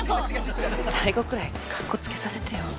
最後くらいかっこつけさせてよ。